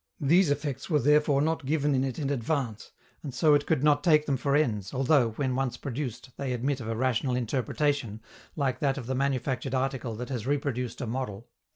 These effects were therefore not given in it in advance, and so it could not take them for ends, although, when once produced, they admit of a rational interpretation, like that of the manufactured article that has reproduced a model.